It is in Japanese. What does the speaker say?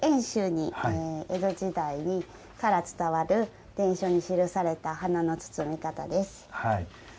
江戸時代から伝わる伝書にした花の包み方です。